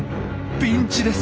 ピンチです！